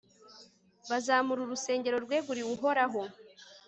bazamura urusengero rweguriwe uhoraho